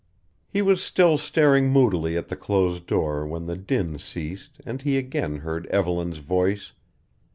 He was still staring moodily at the closed door when the din ceased and he again heard Evelyn's voice.